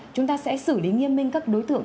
chúng ta sẽ xử lý nghiêm minh các đối tượng